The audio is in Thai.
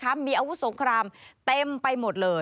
มีอาวุธสงครามเต็มไปหมดเลย